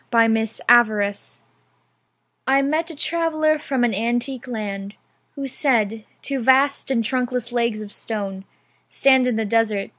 Y Z Ozymandias I MET a traveller from an antique land Who said: Two vast and trunkless legs of stone Stand in the desert